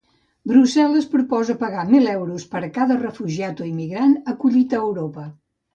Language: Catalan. Brussel·les proposa pagar mil euros per cada refugiat o immigrant acollit a Europa.